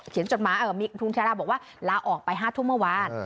จดหมายมีคุณชาราบอกว่าลาออกไป๕ทุ่มเมื่อวาน